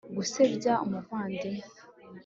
gusebya umuvandimwe